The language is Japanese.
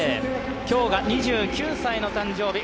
今日が２９歳の誕生日